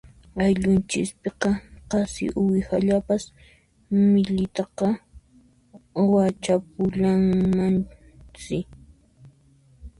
Ayllunchispiqa qasi uwihallapas millitaqa wachapullanmansi.